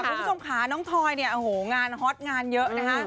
คุณผู้ชมค่ะน้องทอยเนี่ยโอ้โหงานฮอตงานเยอะนะคะ